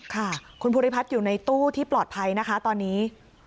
ค่ะคุณภูริพัฒน์อยู่ในตู้ที่ปลอดภัยนะคะตอนนี้